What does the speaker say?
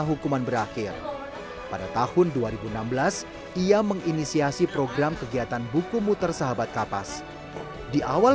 hukuman berakhir pada tahun dua ribu enam belas ia menginisiasi program kegiatan buku muter sahabat kapas di awal